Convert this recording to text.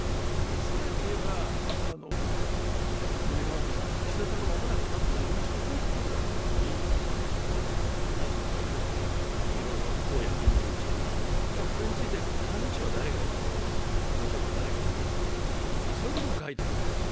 更に言えば、森さんは、岸田さんが間もなく自分に相談してくるだろう、人事について、内閣改造とか、じゃあ、これについて幹事長は誰がいいとか、官房長が誰がいいとか、そういうことも書いているわけです。